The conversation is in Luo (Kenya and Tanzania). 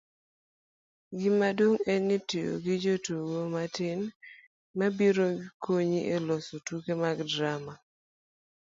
gimaduong' en tiyo gi jotugo matin mabiro konyi e loso tuke mag drama